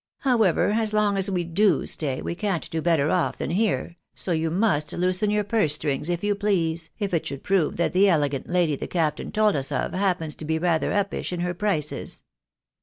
However, as long as. we do stay, we can't be better off than here, so you must loosen your purse strings, if you please, if it should prove that the elegant lady the captain told us of happens to be rather upish in her prices."